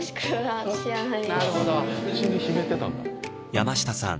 山下さん